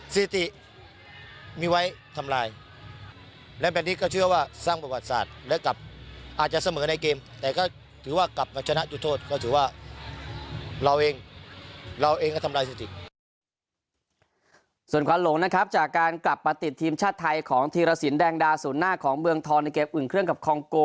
ส่วนขวัญหลงนะครับจากการกลับประติดทีมชาติไทยของธีระสินแดงดาสุนหน้าของเมืองทรนิเกียบอึ่งเครื่องกับคองโก